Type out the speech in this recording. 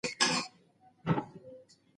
که ستونزې رښتینې وي نو حل یې ممکن دی.